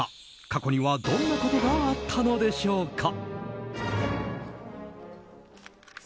過去にはどんなことがあったのでしょうか。